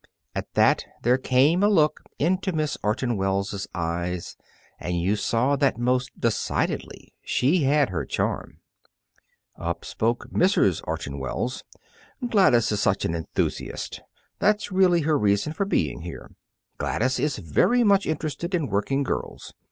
At that there came a look into Miss Orton Wells' eyes, and you saw that most decidedly she had her charm. Up spoke Mrs. Orton Wells. "Gladys is such an enthusiast! That's really her reason for being here. Gladys is very much interested in working girls.